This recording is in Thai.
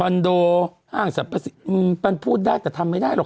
นี้ป่านพูดได้แต่ทำไม่ได้หรอก